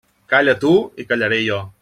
Calla tu i callaré jo.